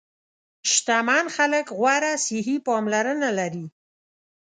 شتمن خلک غوره صحي پاملرنه لري.